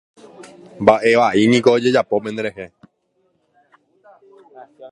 Mba'e vai niko ojejapo penderehe.